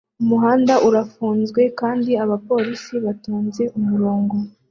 Umuhanda urafunzwe kandi abapolisi batonze umurongo